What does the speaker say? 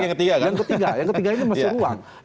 yang ketiga yang ketiga ini masih ruang